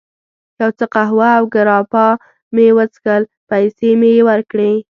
یو څه قهوه او ګراپا مې وڅښل، پیسې مې یې ورکړې.